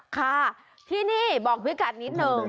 ค่ะที่นี่บอกพี่กัดนิดนึง